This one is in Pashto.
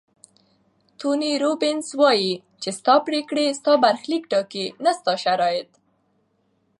توني روبینز وایي چې ستا پریکړې ستا برخلیک ټاکي نه ستا شرایط.